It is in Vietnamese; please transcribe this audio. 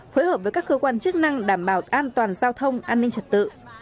phối hợp với các cơ quan chức năng đảm bảo an toàn giao thông an ninh trật tự